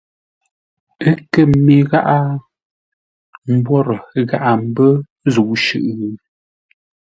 Ə́ kə mê gháʼá? Mbwórə gháʼa mbə́ zə̂u shʉʼʉ ?